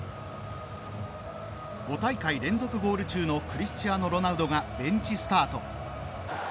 ５大会連続ゴール中のクリスチアーノ・ロナウドがベンチスタート。